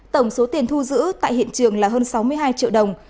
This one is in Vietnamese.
tổng số tiền thu giữ tại hiện trường là hơn sáu mươi hai triệu đồng